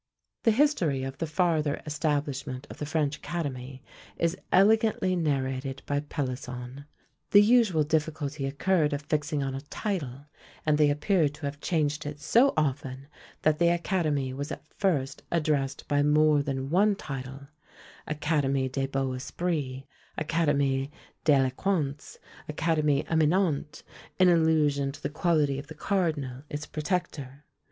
The history of the farther establishment of the French Academy is elegantly narrated by Pelisson. The usual difficulty occurred of fixing on a title; and they appear to have changed it so often, that the Academy was at first addressed by more than one title; Académie des beaux Esprits; Académie de l'Eloquence; Académie Eminente, in allusion to the quality of the cardinal, its protector.